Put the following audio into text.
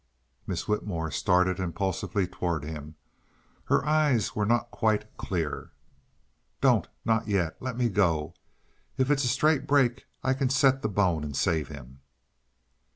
Miss Whitmore started impulsively toward him. Her eyes were not quite clear. "Don't not yet! Let me go. If it's a straight break I can set the bone and save him."